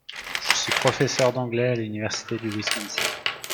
Je suis professeur d’anglais à l’université du Wisconsin.